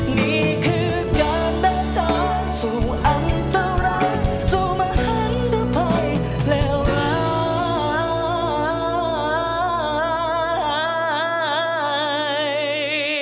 นี่คือการบัญชาสู่อันตรายสู่มหันตภัยเลวร้าย